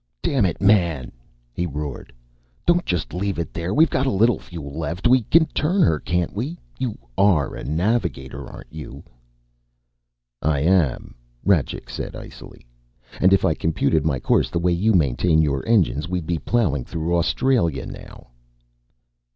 "Damn it, man," he roared, "don't just leave it there. We've got a little fuel left. We can turn her, can't we? You are a navigator, aren't you?" "I am," Rajcik said icily. "And if I computed my courses the way you maintain your engines, we'd be plowing through Australia now."